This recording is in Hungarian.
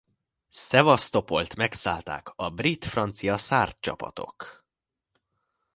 Szevasztopolt megszállták brit–francia–szárd csapatok.